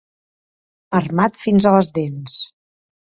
Armat fins a les dents.